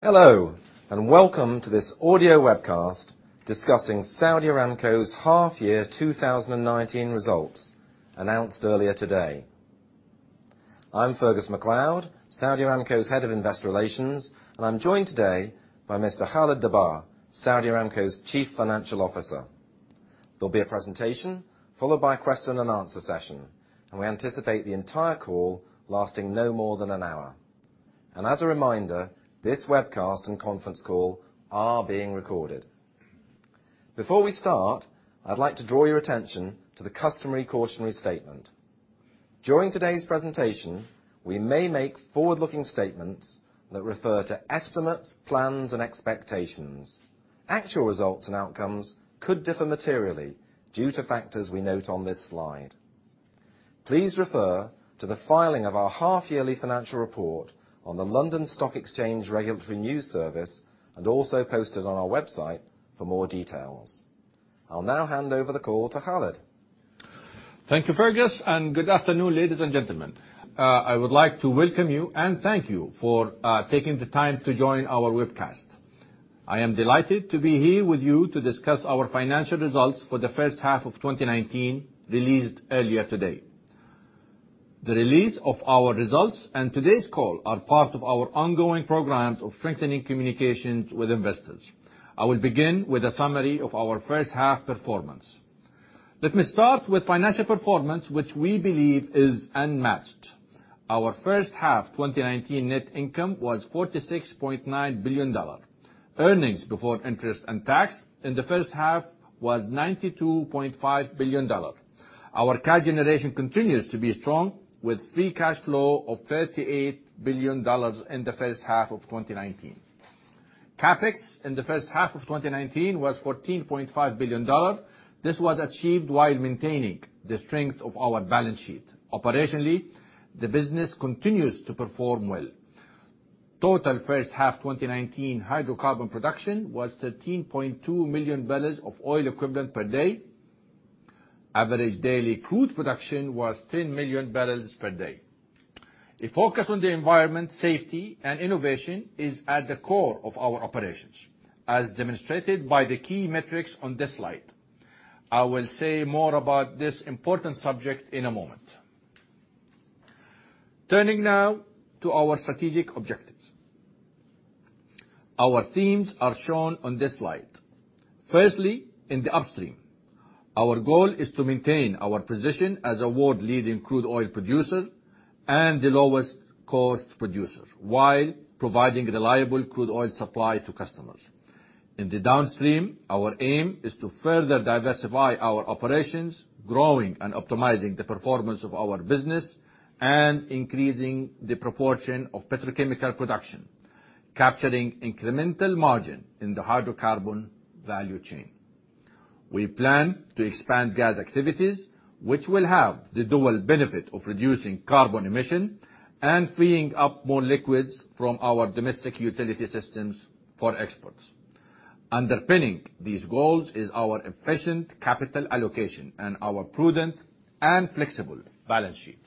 Hello, welcome to this audio webcast discussing Saudi Aramco's half-year 2019 results, announced earlier today. I'm Fergus MacLeod, Saudi Aramco's head of investor relations, and I'm joined today by Mr. Khalid Al-Dabbagh, Saudi Aramco's chief financial officer. There'll be a presentation followed by a question and answer session, and we anticipate the entire call lasting no more than an hour. As a reminder, this webcast and conference call are being recorded. Before we start, I'd like to draw your attention to the customary cautionary statement. During today's presentation, we may make forward-looking statements that refer to estimates, plans, and expectations. Actual results and outcomes could differ materially due to factors we note on this slide. Please refer to the filing of our half-yearly financial report on the London Stock Exchange Regulatory News Service and also posted on our website for more details. I'll now hand over the call to Khalid. Thank you, Fergus. Good afternoon, ladies and gentlemen. I would like to welcome you and thank you for taking the time to join our webcast. I am delighted to be here with you to discuss our financial results for the first half of 2019, released earlier today. The release of our results and today's call are part of our ongoing programs of strengthening communications with investors. I will begin with a summary of our first half performance. Let me start with financial performance, which we believe is unmatched. Our first half 2019 net income was $46.9 billion. Earnings before interest and tax in the first half was $92.5 billion. Our cash generation continues to be strong with free cash flow of $38 billion in the first half of 2019. CapEx in the first half of 2019 was $14.5 billion. This was achieved while maintaining the strength of our balance sheet. Operationally, the business continues to perform well. Total first half 2019 hydrocarbon production was 13.2 million barrels of oil equivalent per day. Average daily crude production was 10 million barrels per day. A focus on the environment, safety, and innovation is at the core of our operations, as demonstrated by the key metrics on this slide. I will say more about this important subject in a moment. Turning now to our strategic objectives. Our themes are shown on this slide. Firstly, in the upstream, our goal is to maintain our position as a world-leading crude oil producer and the lowest cost producer while providing reliable crude oil supply to customers. In the downstream, our aim is to further diversify our operations, growing and optimizing the performance of our business and increasing the proportion of petrochemical production, capturing incremental margin in the hydrocarbon value chain. We plan to expand gas activities, which will have the dual benefit of reducing carbon emission and freeing up more liquids from our domestic utility systems for exports. Underpinning these goals is our efficient capital allocation and our prudent and flexible balance sheet.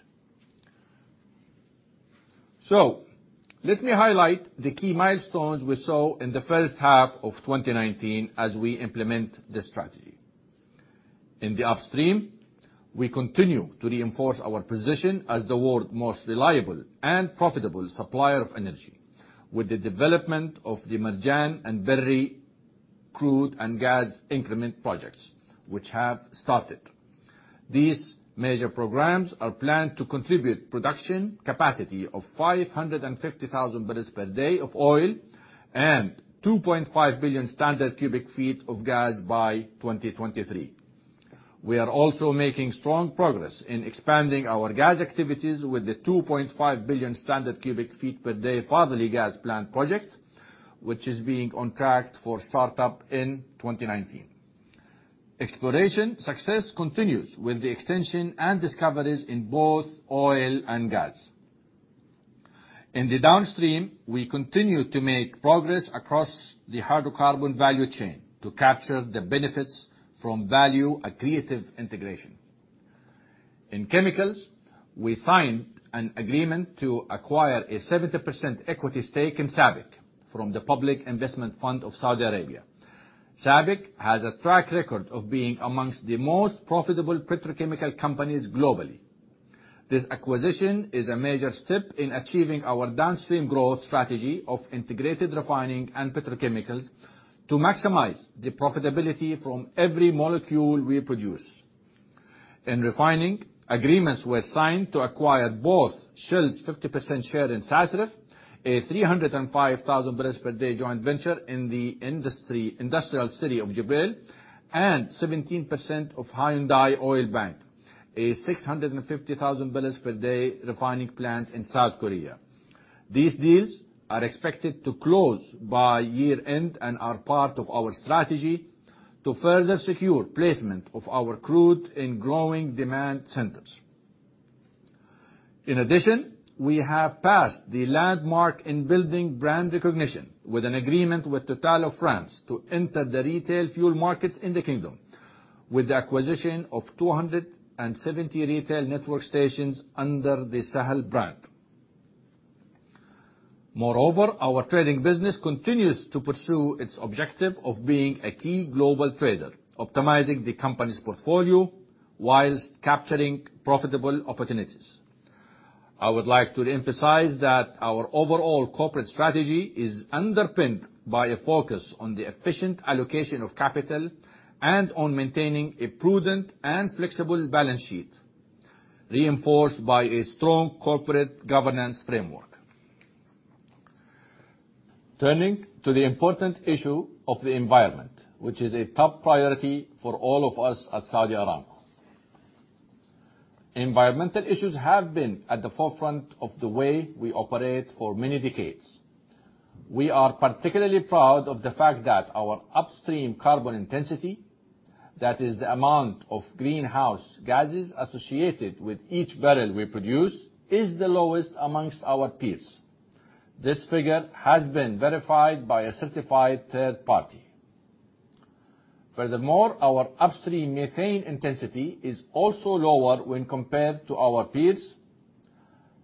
Let me highlight the key milestones we saw in the first half of 2019 as we implement this strategy. In the upstream, we continue to reinforce our position as the world's most reliable and profitable supplier of energy with the development of the Marjan and Berri crude and gas increment projects, which have started. These major programs are planned to contribute production capacity of 550,000 barrels per day of oil and 2.5 billion standard cubic feet of gas by 2023. We are also making strong progress in expanding our gas activities with the 2.5 billion standard cubic feet per day Fadhili gas plant project, which is being on track for startup in 2019. Exploration success continues with the extension and discoveries in both oil and gas. In the downstream, we continue to make progress across the hydrocarbon value chain to capture the benefits from value accretive integration. In chemicals, we signed an agreement to acquire a 70% equity stake in SABIC from the Public Investment Fund of Saudi Arabia. SABIC has a track record of being among the most profitable petrochemical companies globally. This acquisition is a major step in achieving our downstream growth strategy of integrated refining and petrochemicals to maximize the profitability from every molecule we produce. In refining, agreements were signed to acquire both Shell's 50% share in SASREF, a 305,000 barrels per day joint venture in the industrial city of Jubail, and 17% of Hyundai Oilbank, a 650,000 barrels per day refining plant in South Korea. These deals are expected to close by year-end and are part of our strategy to further secure placement of our crude in growing demand centers. In addition, we have passed the landmark in building brand recognition with an agreement with Total of France to enter the retail fuel markets in the kingdom with the acquisition of 270 retail network stations under the Sahel brand. Moreover, our trading business continues to pursue its objective of being a key global trader, optimizing the company's portfolio while capturing profitable opportunities. I would like to emphasize that our overall corporate strategy is underpinned by a focus on the efficient allocation of capital and on maintaining a prudent and flexible balance sheet, reinforced by a strong corporate governance framework. Turning to the important issue of the environment, which is a top priority for all of us at Saudi Aramco. Environmental issues have been at the forefront of the way we operate for many decades. We are particularly proud of the fact that our upstream carbon intensity, that is the amount of greenhouse gases associated with each barrel we produce, is the lowest among our peers. This figure has been verified by a certified third party. Furthermore, our upstream Methane Intensity is also lower when compared to our peers.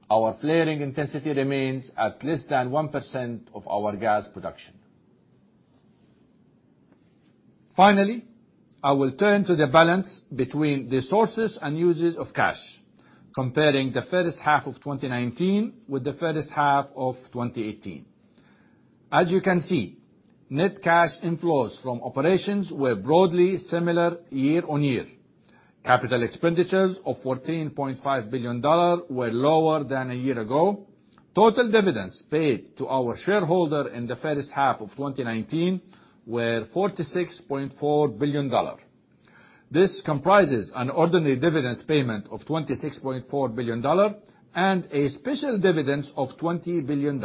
Our flaring intensity remains at less than 1% of our gas production. Finally, I will turn to the balance between the sources and uses of cash, comparing the first half of 2019 with the first half of 2018. As you can see, net cash inflows from operations were broadly similar year on year. Capital expenditures of $14.5 billion were lower than a year ago. Total dividends paid to our shareholder in the first half of 2019 were $46.4 billion. This comprises an ordinary dividends payment of $26.4 billion and a special dividend of $20 billion.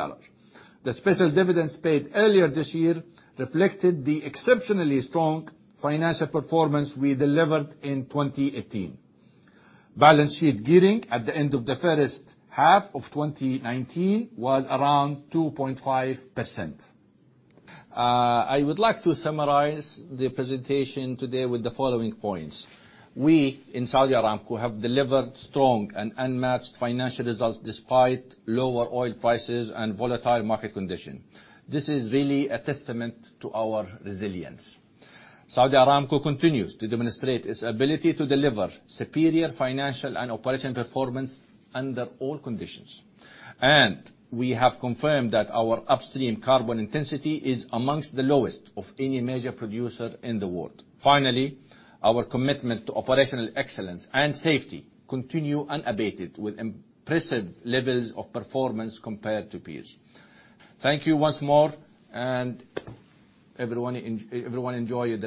The special dividends paid earlier this year reflected the exceptionally strong financial performance we delivered in 2018. Balance sheet gearing at the end of the first half of 2019 was around 2.5%. I would like to summarize the presentation today with the following points. We, in Saudi Aramco, have delivered strong and unmatched financial results despite lower oil prices and volatile market condition. This is really a testament to our resilience. Saudi Aramco continues to demonstrate its ability to deliver superior financial and operational performance under all conditions. We have confirmed that our upstream carbon intensity is among the lowest of any major producer in the world. Finally, our commitment to operational excellence and safety continue unabated with impressive levels of performance compared to peers. Thank you once more, and everyone enjoy your day